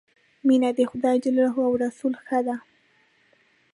مینه د خدای ج او رسول ښه ده.